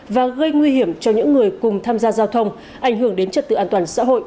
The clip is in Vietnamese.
và gây nguy hiểm cho những người cùng tham gia giao thông ảnh hưởng đến trật tự an toàn xã hội